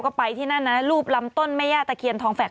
ก็ไปที่นั่นนะรูปลำต้นแม่ย่าตะเคียนทองแฝก